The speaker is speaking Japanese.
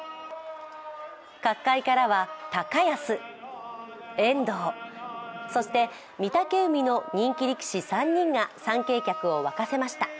各界からは高安、遠藤、そして御嶽海の人気力士３人が参詣客を沸かせました。